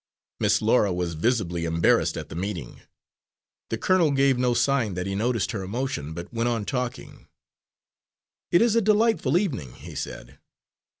Miss Laura was visibly embarrassed at the meeting. The colonel gave no sign that he noticed her emotion, but went on talking. "It is a delightful evening," he said.